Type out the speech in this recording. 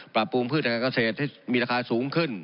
ปรับปรุงพืชทางการเกษตรให้มีราคาสูงขึ้น